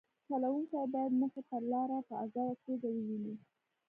چلوونکی باید مخې ته لاره په ازاده توګه وویني